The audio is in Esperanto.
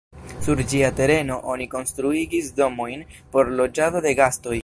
Sur ĝia tereno oni konstruigis domojn por loĝado de gastoj.